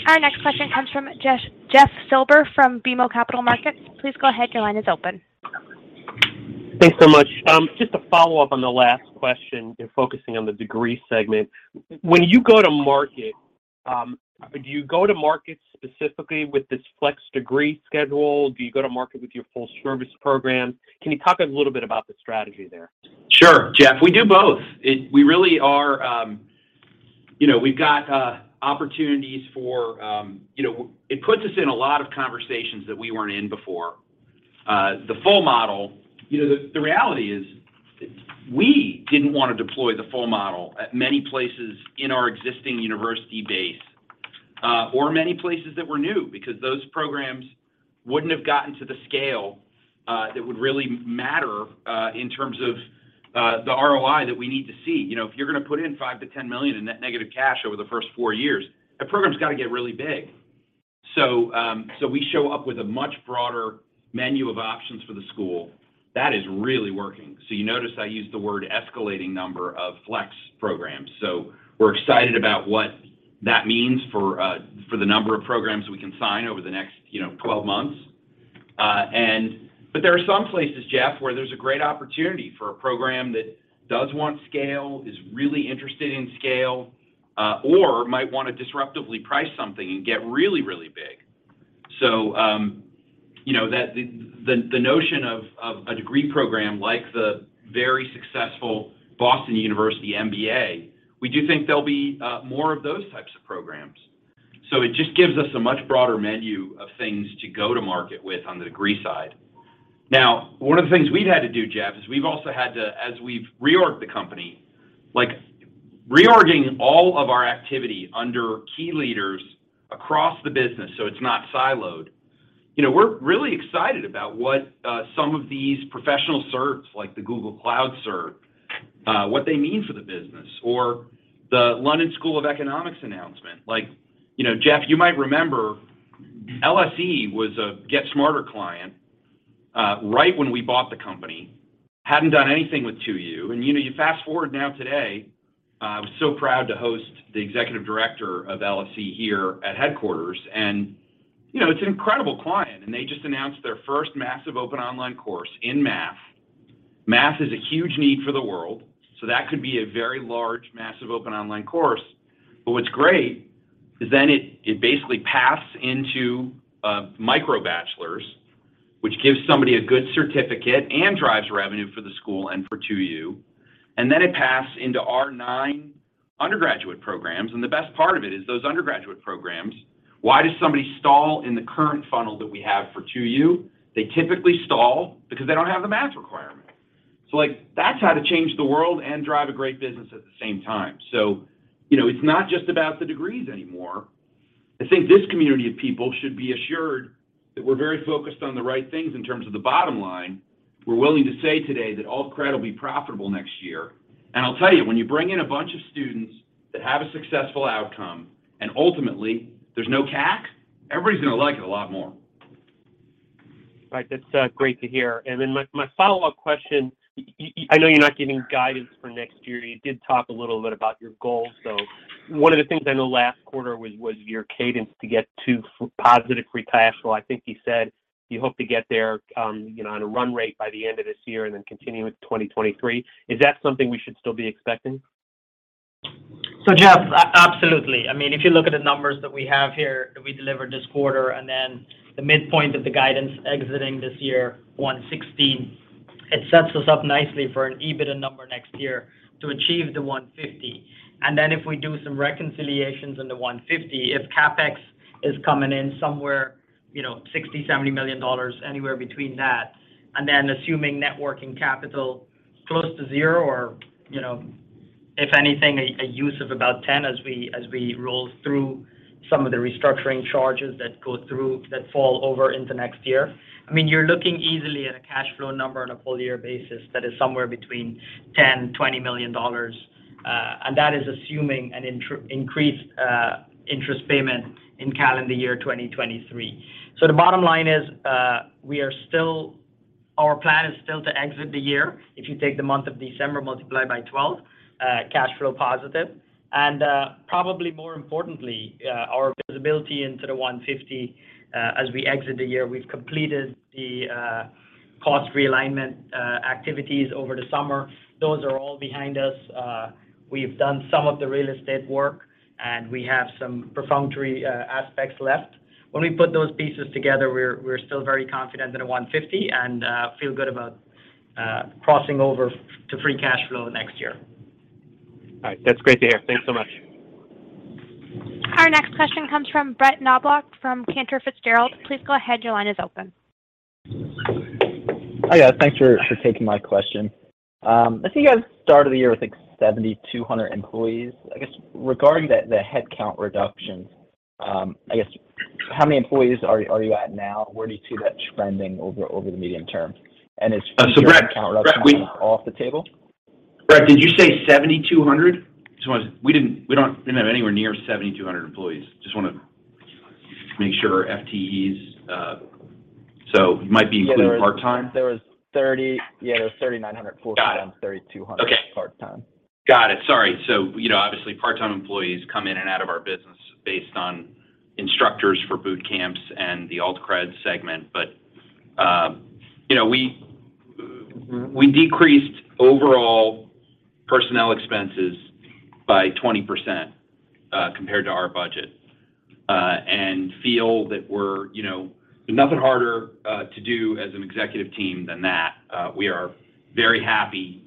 Our next question comes from Jeff, Jeffrey Silber from BMO Capital Markets. Please go ahead. Your line is open. Thanks so much. Just to follow up on the last question and focusing on the degree segment. When you go to market, do you go to market specifically with this flex degree schedule? Do you go to market with your full-service program? Can you talk a little bit about the strategy there? Sure, Jeff. We do both. We really are. You know, we've got opportunities for. You know, it puts us in a lot of conversations that we weren't in before. The full model, you know, the reality is we didn't wanna deploy the full model at many places in our existing university base, or many places that were new because those programs wouldn't have gotten to the scale that would really matter, in terms of the ROI that we need to see. You know, if you're gonna put in $5 million-$10 million in net negative cash over the first four years, that program's gotta get really big. So we show up with a much broader menu of options for the school. That is really working. You notice I used the word escalating number of flex programs. We're excited about what that means for the number of programs we can sign over the next, you know, 12 months. There are some places, Jeff, where there's a great opportunity for a program that does want scale, is really interested in scale, or might wanna disruptively price something and get really, really big. You know, the notion of a degree program like the very successful Boston University MBA, we do think there'll be more of those types of programs. It just gives us a much broader menu of things to go to market with on the degree side. Now, one of the things we've had to do, Jeff, is as we've reorged the company, like reorging all of our activity under key leaders across the business so it's not siloed. You know, we're really excited about what, some of these professional certs, like the Google Cloud cert, what they mean for the business or the London School of Economics announcement. Like, you know, Jeff, you might remember LSE was a GetSmarter client, right when we bought the company. Hadn't done anything with 2U, and you know, you fast-forward now today, I was so proud to host the executive director of LSE here at headquarters. You know, it's an incredible client, and they just announced their first massive open online course in math. Math is a huge need for the world, so that could be a very large massive open online course. What's great is then it basically paths into a MicroBachelors, which gives somebody a good certificate and drives revenue for the school and for 2U. It passed into our nine undergraduate programs. The best part of it is those undergraduate programs. Why does somebody stall in the current funnel that we have for 2U? They typically stall because they don't have the math requirement. Like, that's how to change the world and drive a great business at the same time. You know, it's not just about the degrees anymore. I think this community of people should be assured that we're very focused on the right things in terms of the bottom line. We're willing to say today that all credit will be profitable next year. I'll tell you, when you bring in a bunch of students that have a successful outcome, and ultimately there's no CAC, everybody's gonna like it a lot more. Right. That's great to hear. My follow-up question, I know you're not giving guidance for next year. You did talk a little bit about your goals, so one of the things I know last quarter was your cadence to get to positive free cash flow. I think you said you hope to get there, you know, on a run rate by the end of this year and then continue with 2023. Is that something we should still be expecting? Jeff, absolutely. I mean, if you look at the numbers that we have here that we delivered this quarter, and then the midpoint of the guidance exiting this year, 160, it sets us up nicely for an EBITDA number next year to achieve the 150. And then if we do some reconciliations in the 150, if CapEx is coming in somewhere, you know, $60 million-$70 million, anywhere between that, and then assuming net working capital close to zero or, you know, if anything a use of about $10 million as we roll through some of the restructuring charges that go through that fall over into next year. I mean, you're looking easily at a cash flow number on a full year basis that is somewhere between $10 million-$20 million. That is assuming an increased interest payment in calendar year 2023. The bottom line is, we are still. Our plan is still to exit the year, if you take the month of December, multiply by 12, cash flow positive. Probably more importantly, our visibility into the 150, as we exit the year, we've completed the cost realignment activities over the summer. Those are all behind us. We've done some of the real estate work, and we have some perfunctory aspects left. When we put those pieces together, we're still very confident in a 150 and feel good about crossing over to free cash flow next year. All right. That's great to hear. Thanks so much. Our next question comes from Brett Knoblauch from Cantor Fitzgerald. Please go ahead. Your line is open. Hi guys. Thanks for taking my question. I think you guys started the year with, I think, 7,200 employees. I guess regarding the headcount reduction, I guess how many employees are you at now? Where do you see that trending over the medium term? Is headcount reduction off the table? Brett, did you say 7,200? We don't have anywhere near 7,200 employees. Just wanna make sure FTEs, so it might be including part-time. There was 3,900 full-time, 3,200 part-time. Got it. Okay. Got it. Sorry. You know, obviously, part-time employees come in and out of our business based on instructors for boot camps and the alt-cred segment. You know, we decreased overall personnel expenses by 20%, compared to our budget, and feel that we're, you know. There's nothing harder to do as an executive team than that. We are very happy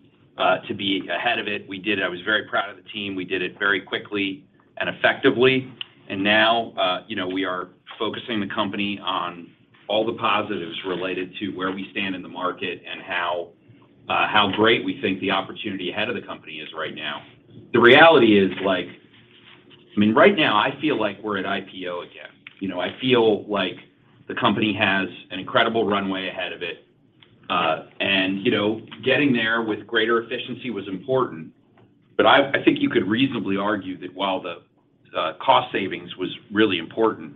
to be ahead of it. We did it. I was very proud of the team. We did it very quickly and effectively. Now, you know, we are focusing the company on all the positives related to where we stand in the market and how great we think the opportunity ahead of the company is right now. The reality is like, I mean, right now I feel like we're at IPO again. You know, I feel like the company has an incredible runway ahead of it. You know, getting there with greater efficiency was important, but I think you could reasonably argue that while the cost savings was really important,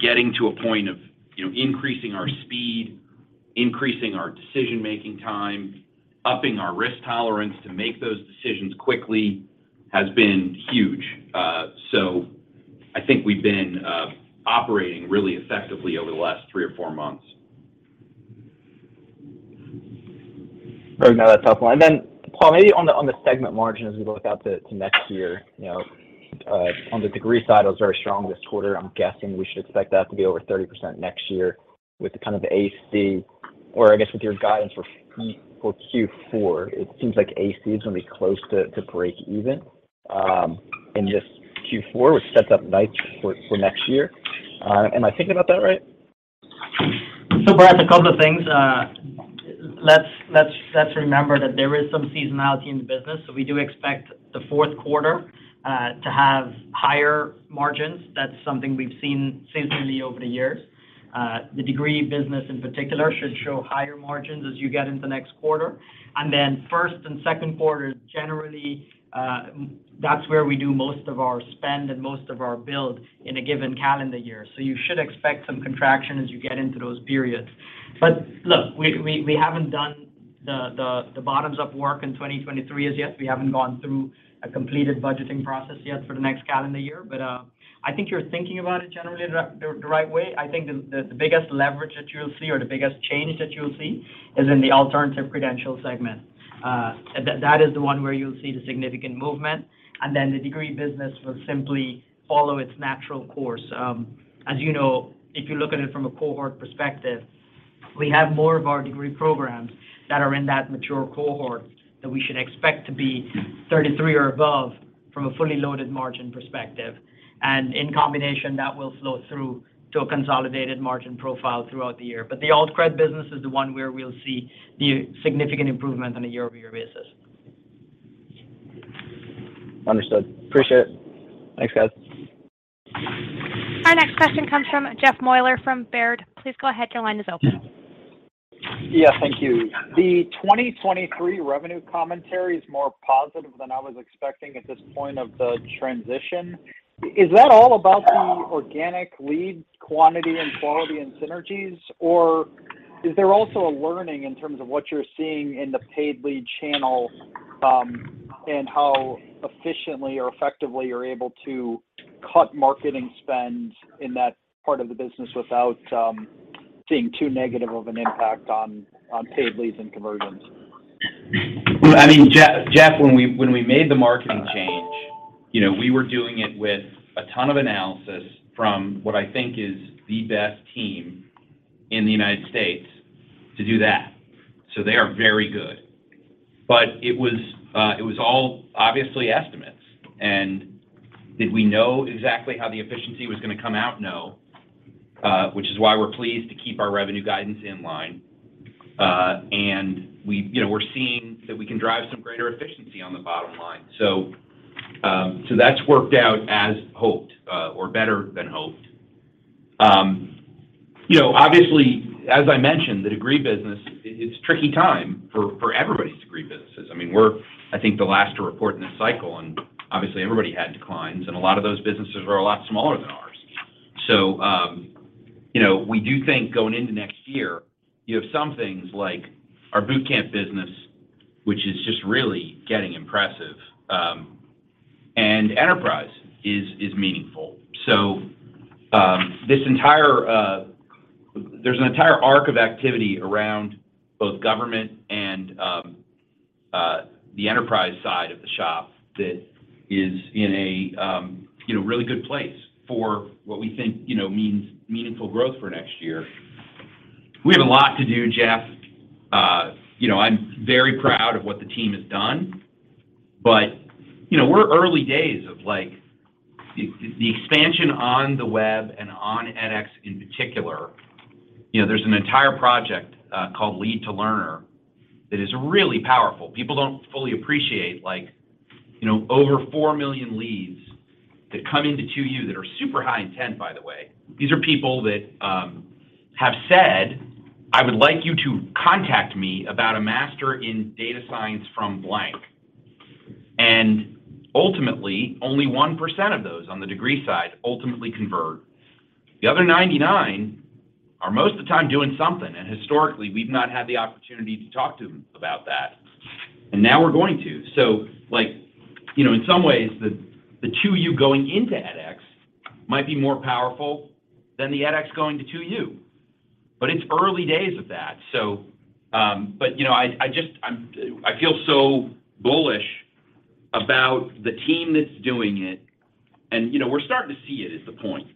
getting to a point of, you know, increasing our speed, increasing our decision-making time, upping our risk tolerance to make those decisions quickly has been huge. I think we've been operating really effectively over the last three or four months. Very proud of that top line. Paul, maybe on the segment margin as we look out to next year. You know, on the degree side, it was very strong this quarter. I'm guessing we should expect that to be over 30% next year with the kind of AC or I guess with your guidance for Q4, it seems like AC is gonna be close to breakeven in this Q4, which sets up nice for next year. Am I thinking about that right? Brett, a couple of things. Let's remember that there is some seasonality in the business, so we do expect the fourth quarter to have higher margins. That's something we've seen seasonally over the years. The degree business in particular should show higher margins as you get into next quarter. Then first and Q2, generally, that's where we do most of our spend and most of our build in a given calendar year. You should expect some contraction as you get into those periods. Look, we haven't done the bottoms-up work in 2023 as yet. We haven't gone through a completed budgeting process yet for the next calendar year. I think you're thinking about it generally the right way. I think the biggest leverage that you'll see or the biggest change that you'll see is in the alternative credential segment. That is the one where you'll see the significant movement, and then the degree business will simply follow its natural course. As you know, if you look at it from a cohort perspective We have more of our degree programs that are in that mature cohort that we should expect to be 33% or above from a fully loaded margin perspective. In combination, that will flow through to a consolidated margin profile throughout the year. The alt-cred business is the one where we'll see the significant improvement on a year-over-year basis. Understood. Appreciate it. Thanks, guys. Our next question comes from Jeffrey Meuler from Baird. Please go ahead. Your line is open. Yes. Thank you. The 2023 revenue commentary is more positive than I was expecting at this point of the transition. Is that all about the organic lead quantity and quality and synergies? Or is there also a learning in terms of what you're seeing in the paid lead channel, and how efficiently or effectively you're able to cut marketing spend in that part of the business without seeing too negative of an impact on paid leads and conversions? I mean, Jeff, when we made the marketing change, you know, we were doing it with a ton of analysis from what I think is the best team in the United States to do that. They are very good. It was all obviously estimates. Did we know exactly how the efficiency was gonna come out? No. Which is why we're pleased to keep our revenue guidance in line. We, you know, we're seeing that we can drive some greater efficiency on the bottom line. That's worked out as hoped, or better than hoped. You know, obviously, as I mentioned, the degree business, it's tricky time for everybody's degree businesses. I mean, we're the last to report in this cycle, I think, and obviously everybody had declines, and a lot of those businesses are a lot smaller than ours. You know, we do think going into next year, you have some things like our boot camp business, which is just really getting impressive, and enterprise is meaningful. There's an entire arc of activity around both government and the enterprise side of the shop that is in a, you know, really good place for what we think, you know, means meaningful growth for next year. We have a lot to do, Jeff. You know, I'm very proud of what the team has done. You know, we're early days of, like, the expansion on the web and on edX in particular. You know, there's an entire project called Lead to Learner that is really powerful. People don't fully appreciate, like, you know, over four million leads that come into 2U that are super high intent, by the way. These are people that have said, "I would like you to contact me about a master in data science from blank." Ultimately, only 1% of those on the degree side ultimately convert. The other 99% are most of the time doing something, and historically, we've not had the opportunity to talk to them about that. Now we're going to. Like, you know, in some ways, the 2U going into edX might be more powerful than the edX going to 2U, but it's early days of that. I feel so bullish about the team that's doing it and, you know, we're starting to see it, is the point.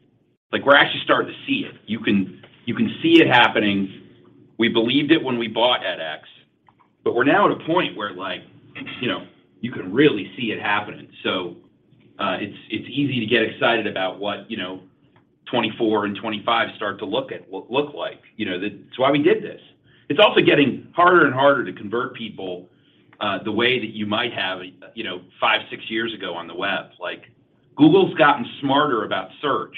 Like, we're actually starting to see it. You can see it happening. We believed it when we bought edX, but we're now at a point where, like, you know, you can really see it happening. It's easy to get excited about what, you know, 2024 and 2025 start to look like. You know, that's why we did this. It's also getting harder and harder to convert people the way that you might have, you know, five, six years ago on the web. Like, Google's gotten smarter about search.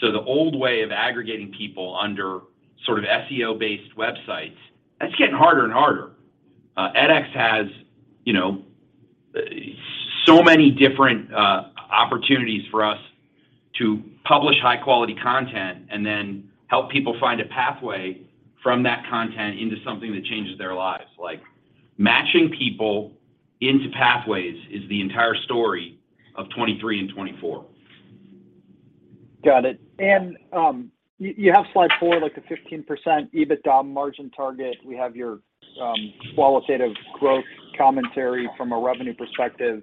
The old way of aggregating people under sort of SEO-based websites, that's getting harder and harder. EdX has, you know, so many different opportunities for us to publish high-quality content and then help people find a pathway from that content into something that changes their lives. Like, matching people into pathways is the entire story of 2023 and 2024. Got it. You have slide four, like the 15% EBITDA margin target. We have your qualitative growth commentary from a revenue perspective.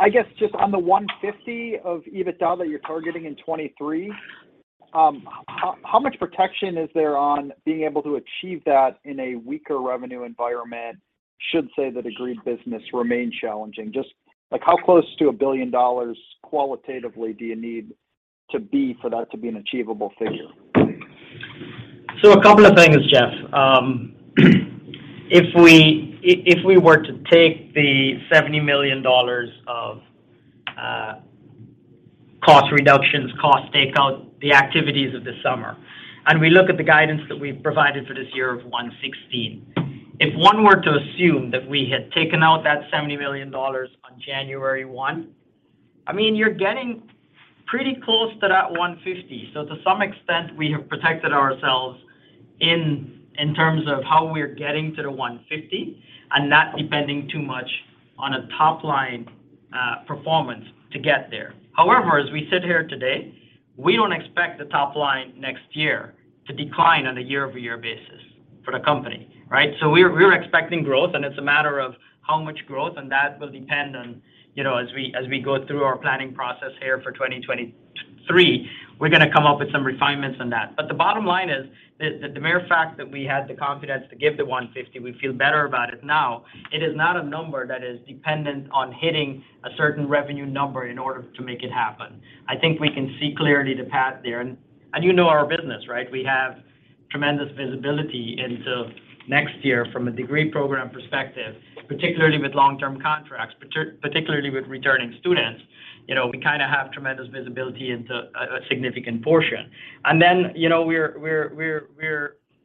I guess just on the $150 of EBITDA that you're targeting in 2023, how much protection is there on being able to achieve that in a weaker revenue environment, should the degree business remain challenging? Just like, how close to $1 billion qualitatively do you need to be for that to be an achievable figure? A couple of things, Jeff. If we were to take the $70 million of cost reductions, cost takeout, the activities of the summer, and we look at the guidance that we've provided for this year of $116. If one were to assume that we had taken out that $70 million on January 1, I mean, you're getting pretty close to that 150. To some extent, we have protected ourselves in terms of how we're getting to the 150 and not depending too much on a top-line performance to get there. However, as we sit here today, we don't expect the top line next year to decline on a year-over-year basis. For the company, right? We're expecting growth, and it's a matter of how much growth, and that will depend on, you know, as we go through our planning process here for 2023, we're gonna come up with some refinements on that. But the bottom line is that the mere fact that we had the confidence to give the $150, we feel better about it now. It is not a number that is dependent on hitting a certain revenue number in order to make it happen. I think we can see clearly the path there. You know our business, right? We have tremendous visibility into next year from a degree program perspective, particularly with long-term contracts, particularly with returning students. You know, we kinda have tremendous visibility into a significant portion. You know, we're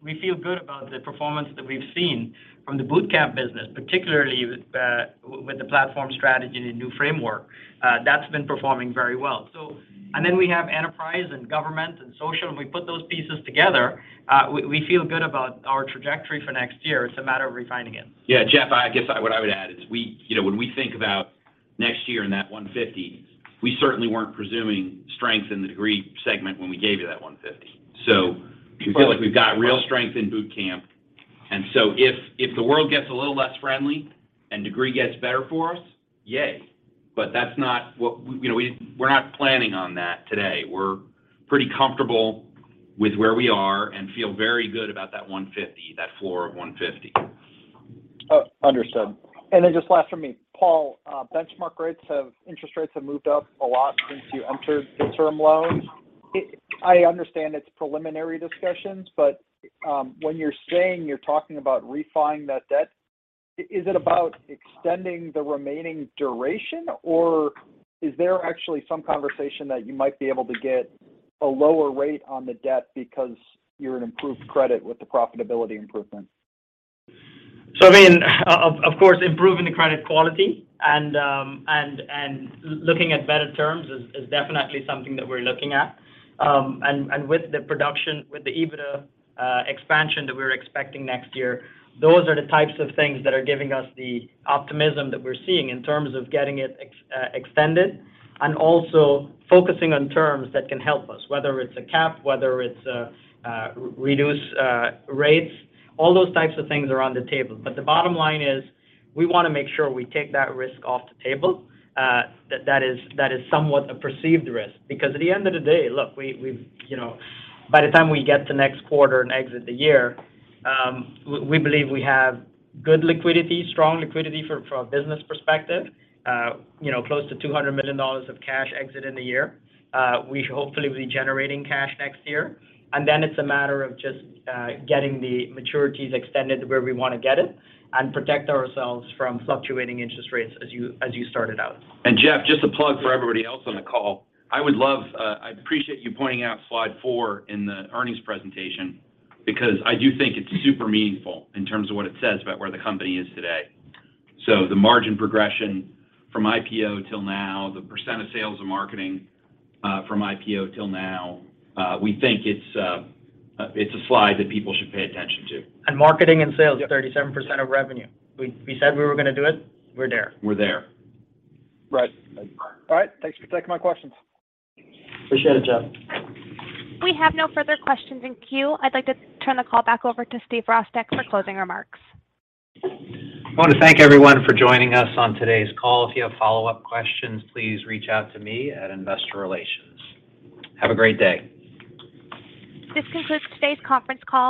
We feel good about the performance that we've seen from the bootcamp business, particularly with the platform strategy and the new framework. That's been performing very well. We have enterprise, government, and social, and we put those pieces together, we feel good about our trajectory for next year. It's a matter of refining it. Yeah, Jeff, I guess what I would add is you know, when we think about next year and that $150, we certainly weren't presuming strength in the degree segment when we gave you that $150. We feel like we've got real strength in bootcamp. If the world gets a little less friendly and degree gets better for us, yay. That's not what we, you know, we're not planning on that today. We're pretty comfortable with where we are and feel very good about that $150, that floor of $150. Oh, understood. Just last from me. Paul, interest rates have moved up a lot since you entered the term loans. I understand it's preliminary discussions, but when you're saying you're talking about refinancing that debt, is it about extending the remaining duration or is there actually some conversation that you might be able to get a lower rate on the debt because you're an improved credit with the profitability improvement? I mean, of course, improving the credit quality and looking at better terms is definitely something that we're looking at. And with the production, with the EBITDA expansion that we're expecting next year, those are the types of things that are giving us the optimism that we're seeing in terms of getting it extended and also focusing on terms that can help us, whether it's a cap, whether it's reduced rates. All those types of things are on the table. The bottom line is we wanna make sure we take that risk off the table. That is somewhat a perceived risk because at the end of the day, look, we've you know. By the time we get to next quarter and exit the year, we believe we have good liquidity, strong liquidity from a business perspective, you know, close to $200 million of cash exiting the year. We should hopefully be generating cash next year. It's a matter of just getting the maturities extended where we wanna get it and protect ourselves from fluctuating interest rates as you started out. Jeff, just a plug for everybody else on the call. I would love, I appreciate you pointing out slide four in the earnings presentation because I do think it's super meaningful in terms of what it says about where the company is today. The margin progression from IPO till now, the percent of sales and marketing, from IPO till now, we think it's a slide that people should pay attention to. Marketing and sales, 37% of revenue. We said we were gonna do it, we're there. We're there. Right. All right. Thanks for taking my questions. Appreciate it, Jeff. We have no further questions in queue. I'd like to turn the call back over to Stephen Virostek for closing remarks. I want to thank everyone for joining us on today's call. If you have follow-up questions, please reach out to me at Investor Relations. Have a great day. This concludes today's conference call.